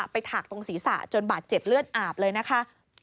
ถากตรงศีรษะจนบาดเจ็บเลือดอาบเลยนะคะ